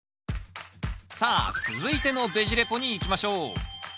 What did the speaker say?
さあ続いての「ベジ・レポ」にいきましょう。